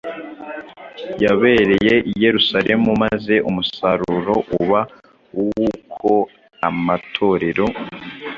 yabereye i Yerusalemu maze umusaruro uba uw’uko amatorero